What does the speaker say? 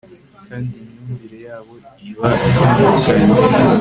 kandi imyuvire yabo iba itandukanye